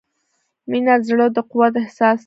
• مینه د زړۀ د قوت احساس دی.